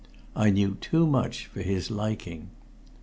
I knew too much for his liking.